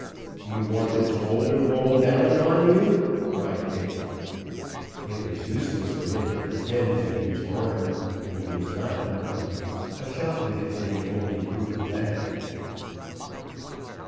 "Do you want this boulder rolled down upon you?" cried Dick. It was useless for him to pretend that he was armed, when he was not armed. A shot would have been the only proof of that.